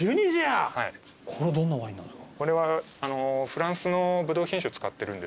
これどんなワインなんですか？